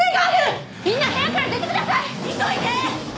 みんな部屋から出てください！